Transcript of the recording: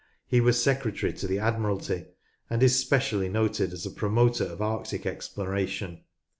He was Secretary to the Admiralty, and is specially noted as a promoter of Arctic exploration.